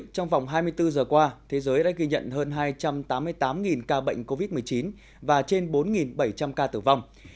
trong vòng hai mươi bốn giờ qua thế giới đã ghi nhận hơn hai trăm tám mươi tám ca bệnh covid một mươi chín và trên bốn bảy trăm linh ca tử vong